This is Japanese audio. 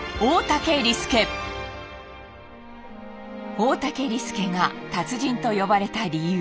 大竹利典が達人と呼ばれた理由。